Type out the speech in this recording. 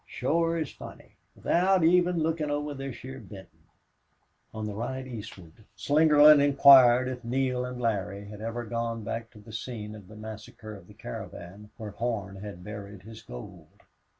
"Shore is funny. Without even lookin' over this heah Benton." On the ride eastward Slingerland inquired if Neale and Larry had ever gone back to the scene of the massacre of the caravan where Horn had buried his gold.